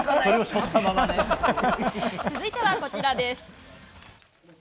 続いてはこちらです。